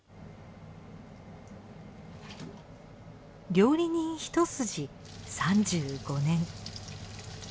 料理人一筋３５年。